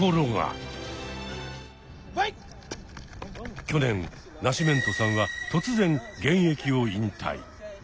去年ナシメントさんは突然現役を引退。